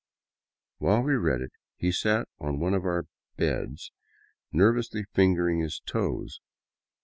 While we read it, he sat on one of our " beds " nervously fingering his toes.